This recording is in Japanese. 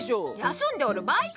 休んでおる場合か！